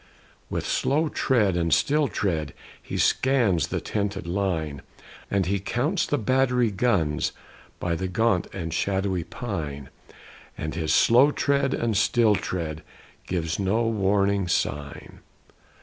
With slow tread and still tread, He scans the tented line; And he counts the battery guns, By the gaunt and shadowy pine; And his slow tread and still tread Gives no warning sign.